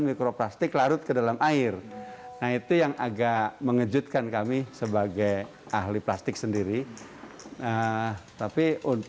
mikroplastik larut ke dalam air nah itu yang agak mengejutkan kami sebagai ahli plastik sendiri tapi